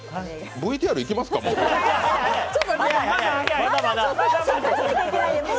ＶＴＲいきますか、もう。